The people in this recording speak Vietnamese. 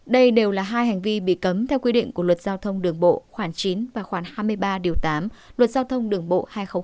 đây đều là hai hành vi bị cấm theo quy định của luật giao thông đường bộ khoảng chín và khoảng hai mươi ba điều tám luật giao thông đường bộ hai nghìn một mươi bảy